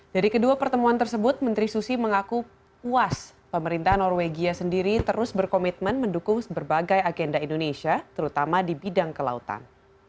dari kedua pertemuan tersebut menteri susi mengaku puas pemerintahan norwegia sendiri terus berkomitmen mendukung berbagai agenda indonesia terutama di bidang kelautan